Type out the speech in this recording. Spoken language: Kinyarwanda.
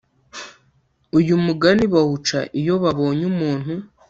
uyu mugani, bawuca iyo babonye umuntu